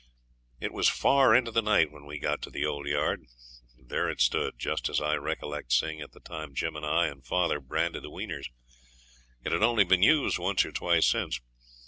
It was far into the night when we got to the old yard. There it stood, just as I recollect seeing it the time Jim and I and father branded the weaners. It had only been used once or twice since.